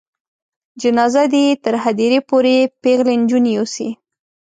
جنازه دې یې تر هدیرې پورې پیغلې نجونې یوسي.